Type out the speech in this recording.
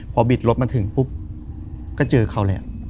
พอบิดรถมาถึงปุ๊บก็เจอเขาแล้ว